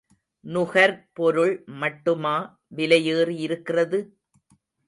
நுகர்பொருள் மட்டுமா விலை ஏறி இருக்கிறது?